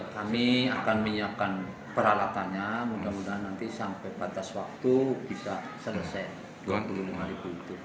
kami akan menyiapkan peralatannya mudah mudahan nanti sampai batas waktu bisa selesai rp dua puluh lima itu